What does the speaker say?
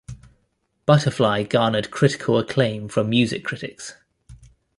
"Butterfly" garnered critical acclaim from music critics.